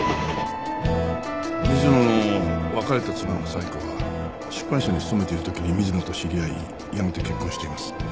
水野の別れた妻の冴子は出版社に勤めている時に水野と知り合いやがて結婚しています。